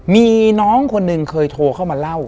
มีน้องคนหนึ่งเคยโทรเข้ามาเล่า